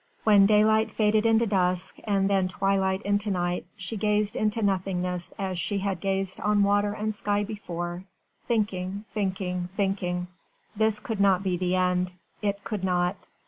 When daylight faded into dusk, and then twilight into night she gazed into nothingness as she had gazed on water and sky before, thinking, thinking, thinking! This could not be the end it could not.